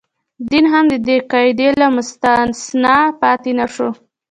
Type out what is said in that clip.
دین هم د دې قاعدې له مستثنا پاتې نه شو.